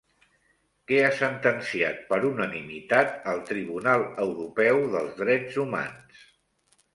Què ha sentenciat per unanimitat el Tribunal Europeu dels Drets Humans?